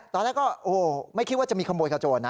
ตอนแรกก็ไม่คิดว่าจะมีขโมยขโจรนะ